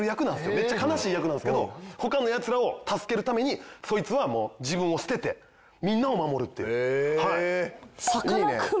めっちゃ悲しい役なんですけど他のヤツらを助けるためにそいつは自分を捨ててみんなを守るっていうはい。